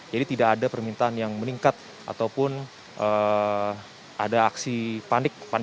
jadi tidak ada permintaan yang meningkat ataupun ada aksi panik panik buying